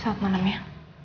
selamat malam ya